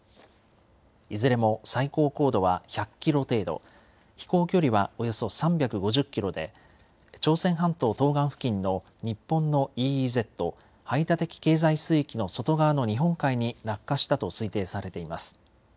いずれも最高高度は１００キロ程度、飛行距離はおよそ３５０キロで、朝鮮半島東岸付近の日本のＥＥＺ・排他的経済水域の外側の日本海に落下したと推定されています。